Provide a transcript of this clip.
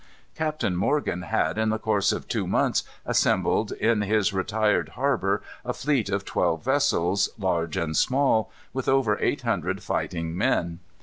Captain Morgan had, in the course of two months, assembled in his retired harbor a fleet of twelve vessels, large and small, with over eight hundred fighting men.